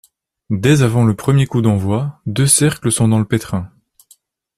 Dès avant le premier coup d'envoi, deux cercles sont dans le pétrin.